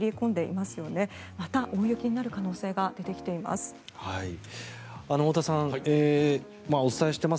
また、大雪になる可能性が出てきています。